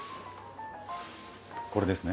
これですね？